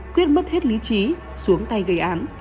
quyết mất hết lý trí xuống tay gây án